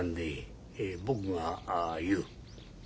僕が言う。